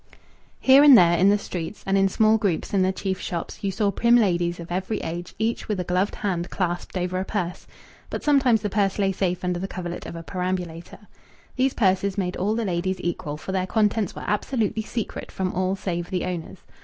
Here and there in the streets, and in small groups in the chief shops, you saw prim ladies of every age, each with a gloved hand clasped over a purse. (But sometimes the purse lay safe under the coverlet of a perambulator.) These purses made all the ladies equal, for their contents were absolutely secret from all save the owners.